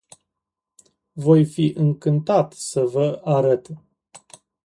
Voi fi încântat să vă arăt.